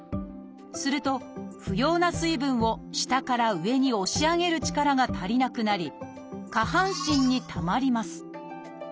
すると不要な水分を下から上に押し上げる力が足りなくなり下半身にたまります。